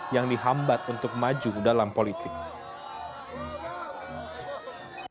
yang dihambat untuk maju dalam politik